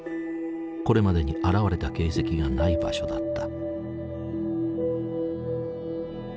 これまでに現れた形跡がない場所だった。